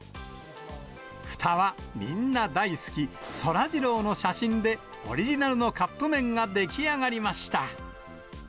ふたはみんな大好きそらジローの写真で、オリジナルのカップ麺が出来上がりました。